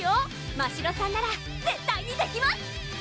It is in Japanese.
ましろさんなら絶対にできます！